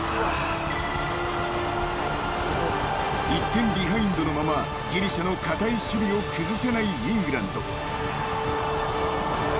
［１点ビハインドのままギリシャの堅い守備を崩せないイングランド］